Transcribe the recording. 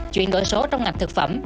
chuyển đổi số trong ngạch thực phẩm